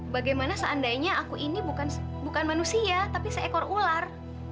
bagaimana seandainya aku ini bukan manusia tapi seekor ular